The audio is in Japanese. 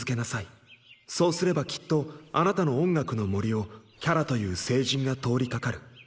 そうすればきっとあなたの音楽の森をキャラという聖人が通りかかる。